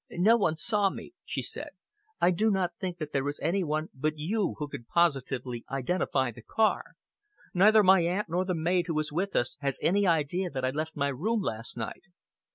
"No one saw me," she said. "I do not think that there is any one but you who could positively identify the car. Neither my aunt nor the maid who is with us has any idea that I left my room last night."